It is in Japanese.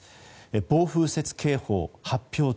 暴風雪警報発表中。